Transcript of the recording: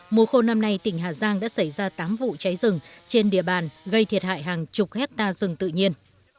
mùa khô năm nay tỉnh hà giang đã xảy ra tám vụ cháy rừng trên địa bàn gây thiệt hại hàng chục hectare rừng tự nhiên